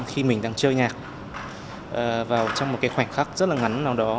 khi mình đang chơi nhạc vào trong một cái khoảnh khắc rất là ngắn nào đó